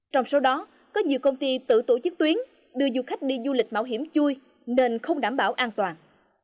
trong số đó có nhiều công ty tự tổ chức tuyến đưa du khách đi du lịch mạo hiểm chui nên không đảm bảo an toàn